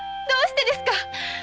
どうしてですか？